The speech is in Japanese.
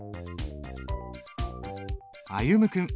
歩夢君。